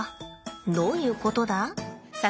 どういうことだ？